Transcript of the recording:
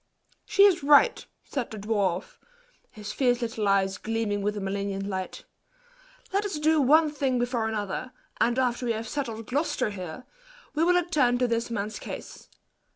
"She is right," said the dwarf, his fierce little eyes gleaming with a malignant light; "let us do one thing before another; and after we have settled Gloucester here, we will attend to this man's case.